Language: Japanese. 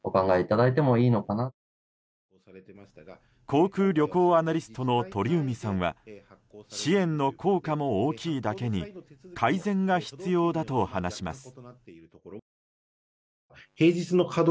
航空・旅行アナリストの鳥海さんは支援の効果も大きいだけに改善が必要だと話します。